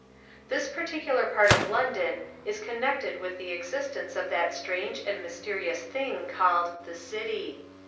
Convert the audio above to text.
This particular part of London is connected with the existence of that strange and mysterious thing called "the City."